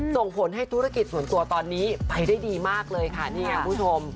ส่งผลให้ธุรกิจส่วนตัวตอนนี้ไปได้ดีมากเลยค่ะนี่ไงคุณผู้ชม